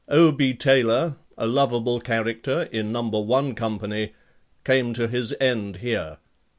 O.B. Taylor, a lovable character in Number One Company, came to his end here.